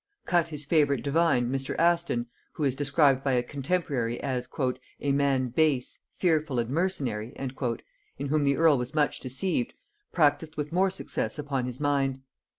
Cut his favorite divine, Mr. Aston, who is described by a contemporary as "a man base, fearful and mercenary," in whom the earl was much deceived, practised with more success upon his mind.